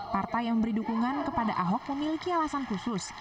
partai yang memberi dukungan kepada ahok memiliki alasan khusus